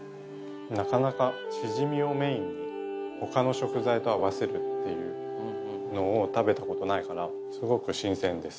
なかなかしじみをメインに他の食材と合わせるっていうのを食べた事ないからすごく新鮮です。